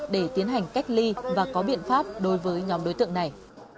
để tiến hành cách ly và có biện pháp đối với nhóm đối tượng này